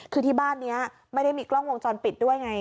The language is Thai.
คือที่บ้านนี้ไม่ได้มีกล้องวงจรปิดด้วยไง